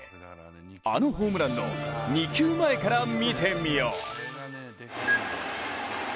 あのホームランの２球前から見てみよう。